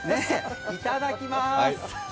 いただきます。